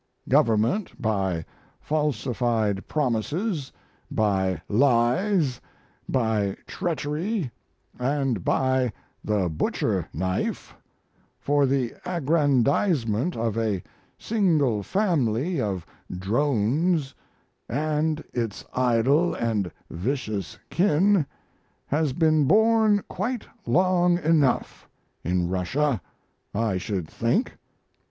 Government by falsified promises, by lies, by treachery, and by the butcher knife, for the aggrandizement of a single family of drones and its idle and vicious kin has been borne quite long enough in Russia, I should think.